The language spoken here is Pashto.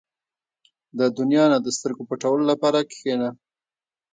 • د دنیا نه د سترګو پټولو لپاره کښېنه.